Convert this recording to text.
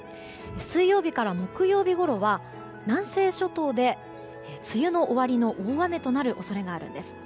水曜日から木曜日頃は南西諸島で梅雨の終わりの大雨となる恐れがあるんです。